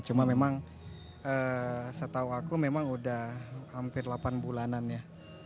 cuma memang setahu aku memang udah hampir delapan bulanan ya